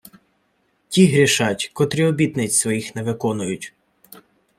Ті грішать, котрі обітниць своїх не виконують.